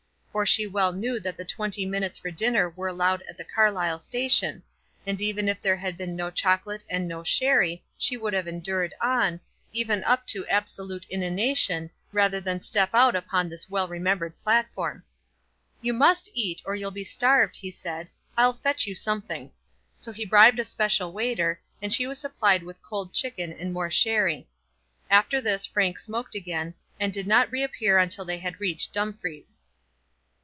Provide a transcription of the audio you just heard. For she well knew that the twenty minutes for dinner were allowed at the Carlisle station; and even if there had been no chocolate and no sherry, she would have endured on, even up to absolute inanition, rather than step out upon this well remembered platform. "You must eat, or you'll be starved," he said. "I'll fetch you something." So he bribed a special waiter, and she was supplied with cold chicken and more sherry. After this Frank smoked again, and did not reappear till they had reached Dumfries.